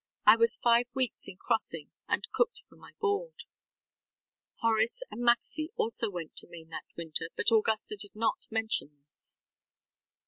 I was five weeks in crossing and cooked for my board. ŌĆØ (Horace and Maxcy also went to Maine that winter but Augusta did not mention this.)